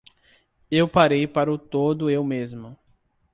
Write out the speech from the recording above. Eu parei para o todo eu mesmo.